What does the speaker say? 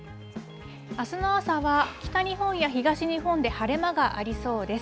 あすの朝は、北日本や東日本で晴れ間がありそうです。